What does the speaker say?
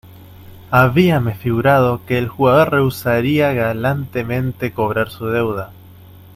habíame figurado que el jugador rehusaría galantemente cobrar su deuda